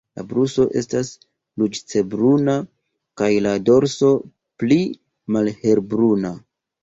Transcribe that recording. La brusto estas ruĝecbruna kaj la dorso pli malhelbruna.